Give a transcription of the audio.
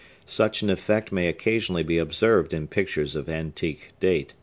Such an effect may occasionally be observed in pictures of antique date.